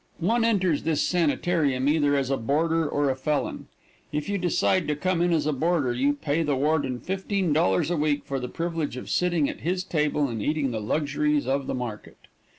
One enters this sanitarium either as a boarder or a felon. If you decide to come in as a boarder, you pay the warden $15 a week for the privilege of sitting at his table and eating the luxuries of the market.